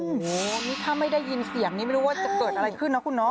โอ้โหนี่ถ้าไม่ได้ยินเสียงนี้ไม่รู้ว่าจะเกิดอะไรขึ้นนะคุณน้อง